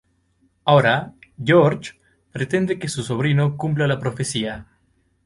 Ahora George pretende que su sobrino cumpla la profecía.